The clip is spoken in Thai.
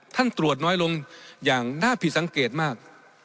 ตรวจน้อยลงอย่างน่าผิดสังเกตมาก